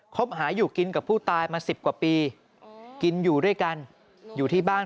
บหาอยู่กินกับผู้ตายมา๑๐กว่าปีกินอยู่ด้วยกันอยู่ที่บ้าน